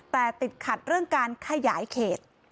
แต่ติดขัดเรื่องการขยายเขต